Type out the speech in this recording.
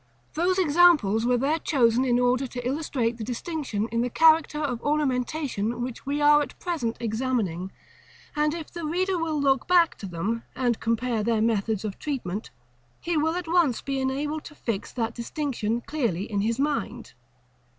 Those examples were there chosen in order also to illustrate the distinction in the character of ornamentation which we are at present examining; and if the reader will look back to them, and compare their methods of treatment, he will at once be enabled to fix that distinction clearly in his mind.